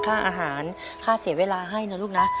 ค่าอาหารค่าเสียเวลาให้นะลูกนะ